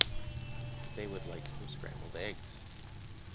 They would like some scrambled eggs.